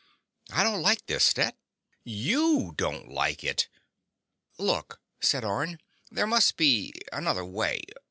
"I don't like this, Stet." "YOU don't like it!" "Look," said Orne. "There must be another way.